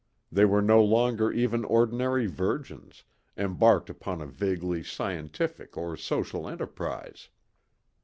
They were no longer even ordinary virgins, embarked upon a vaguely scientific or social enterprise.